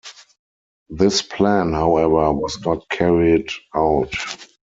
This plan, however, was not carried out.